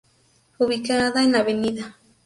Ubicada en la Av.